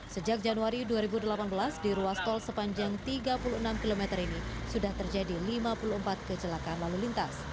sejak januari dua ribu delapan belas di ruas tol sepanjang tiga puluh enam km ini sudah terjadi lima puluh empat kecelakaan lalu lintas